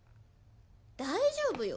大丈夫よ。